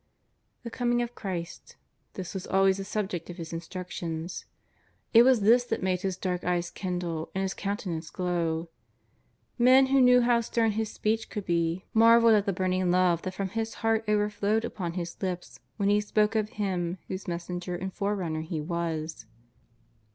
The Coming of Christ — this was always the subject of his instructions. It was this that made his dark eye kindle and his countenance glow. Men who knew how stern his speech could be marvelled at the burn ing love that from his heart overflowed upon his lips when he spoke of Him whose messenger and forerunner he was.